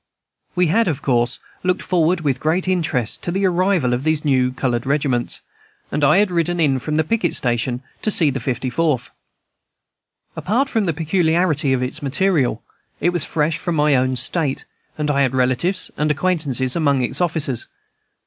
We had, of course, looked forward with great interest to the arrival of these new colored regiments, and I had ridden in from the picket station to see the Fifty Fourth. Apart from the peculiarity of its material, it was fresh from my own State, and I had relatives and acquaintances among its officers.